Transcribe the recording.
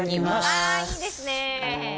わあいいですね。